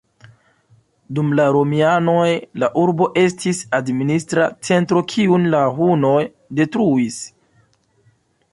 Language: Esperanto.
Dum la romianoj la urbo estis administra centro, kiun la hunoj detruis.